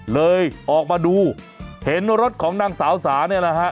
เลยออกมาดูเห็นรถของนางสาวสาเนี่ยนะฮะ